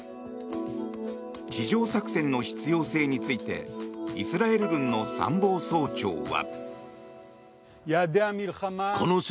地上作戦の必要性についてイスラエル軍の参謀総長は。